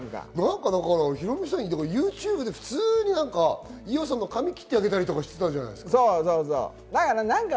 ヒロミさん、ＹｏｕＴｕｂｅで普通に伊代さんの髪切ってあげたりしてたじゃないですか。